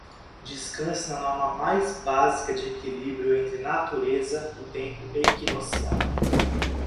Descanse na norma mais básica de equilíbrio entre natureza e tempo equinocial.